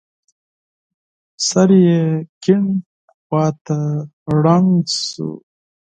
سر يې کيڼ لور ته ړنګ شو.